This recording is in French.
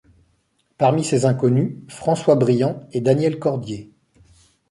Parmi ces inconnus, François Briant et Daniel Cordier.